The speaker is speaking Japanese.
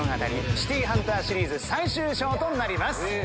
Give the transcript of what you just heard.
『シティーハンター』シリーズ最終章となります。